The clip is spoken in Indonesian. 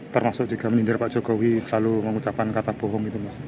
termasuk juga menyindir pak jokowi selalu mengucapkan kata bohong itu mas